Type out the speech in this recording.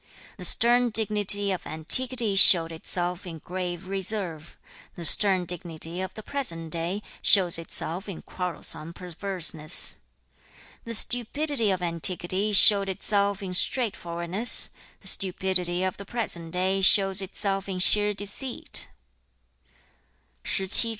The stern dignity of antiquity showed itself in grave reserve; the stern dignity of the present day shows itself in quarrelsome perverseness. The stupidity of antiquity showed itself in straightforwardness; the stupidity of the present day shows itself in sheer deceit.' [十七章]子曰/攷言令色鮮矣仁.